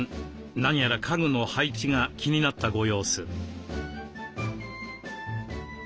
何やら家具の配置が気になったご様子。